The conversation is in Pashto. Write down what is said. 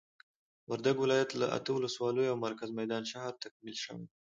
وردګ ولايت له اته ولسوالیو او مرکز میدان شهر تکمیل شوي دي.